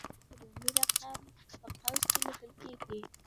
فلز د ولانس نمبر په رومي رقم په قوس کې لیکل کیږي.